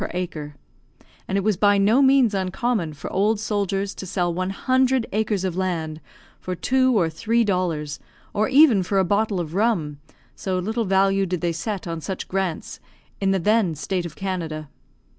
per acre; and it was by no means uncommon for old soldiers to sell one hundred acres of land for two or three dollars, or even for a bottle of rum, so little value did they set on such grants in the then state of Canada.